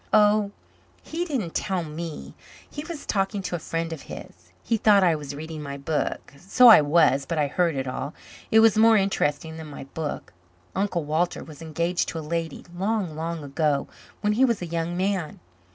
"Oh, he didn't tell me. He was talking to a friend of his. He thought I was reading my book. So I was but I heard it all. It was more interesting than my book. Uncle Walter was engaged to a lady, long, long ago, when he was a young man.